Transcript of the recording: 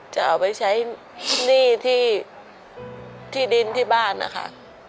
จะเอาไปใช้หนี้ที่ดินที่บ้านนะคะ